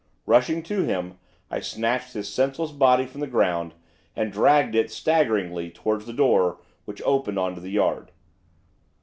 Rushing to him, I snatched his senseless body from the ground, and dragged it, staggeringly, towards the door which opened on to the yard.